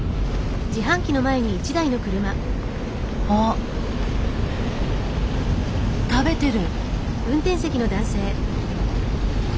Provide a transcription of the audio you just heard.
あ食べてる。